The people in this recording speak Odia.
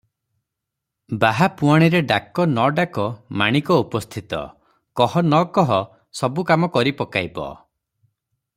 ବାହା ପୁଆଣିରେ ଡାକ ନ ଡାକ ମାଣିକ ଉପସ୍ଥିତ, କହ ନ କହ ସବୁ କାମ କରିପକାଇବ ।